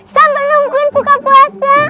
sambil nungguin buka puasa